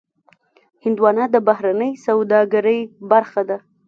هندوانه د بهرنۍ سوداګرۍ برخه ده.